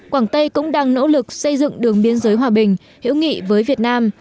quảng tây cũng đang nỗ lực xây dựng đường biên giới hòa bình hiểu nghị với việt nam